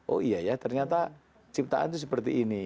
oh iya ya ternyata ciptaan itu seperti ini